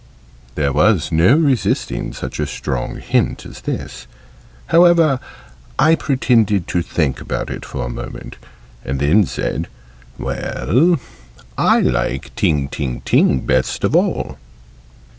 There was no resisting such a strong hint as this: however, I pretended to think about it for a moment, and then said "Well, I like 'Ting, ting, ting,' best of all."